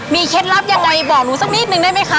เคล็ดลับยังไงบอกหนูสักนิดนึงได้ไหมคะ